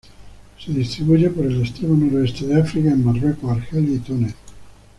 Se distribuye por el extremo noroeste de África, en Marruecos, Argelia y Túnez.